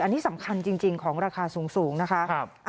อันนี้สำคัญจริงของราคาสูงนะคะ